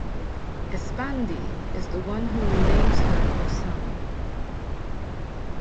Espandi is the one who renames her Osama.